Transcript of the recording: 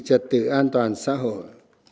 trật tự an toàn xã hội